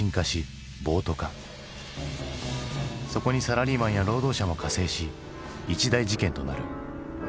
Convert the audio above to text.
そこにサラリーマンや労働者も加勢し一大事件となる。